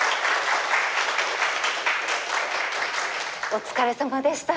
お疲れさまでした。